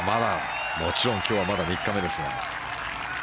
もちろん今日はまだ３日目ですが。